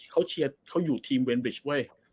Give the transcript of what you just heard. เขาอยู่ทีมเวรบริชเว้ย